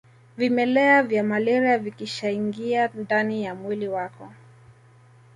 Vimelea vya malaria vikishaingia ndani ya mwili wako